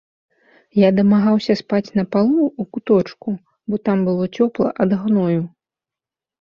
Я дамагаўся спаць на палу, у куточку, бо там было цёпла ад гною.